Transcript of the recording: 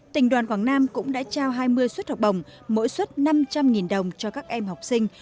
tỉnh đoàn quảng nam cũng đã trao hai mươi suất học bổng mỗi suất năm trăm linh đồng cho các em học sinh